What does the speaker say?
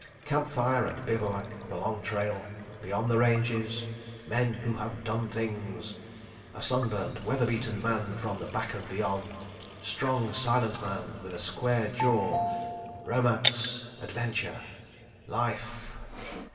... Camp fire and bivouac. ... The Long Trail. ... Beyond the Ranges. ... Men who have Done Things. ... A sun burnt, weather beaten man from the Back of Beyond. ... Strong, silent man with a Square Jaw. ... Romance. ... Adventure. ... Life.